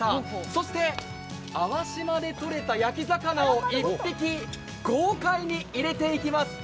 そして粟島で取れた焼き魚を１匹豪快に入れていきます。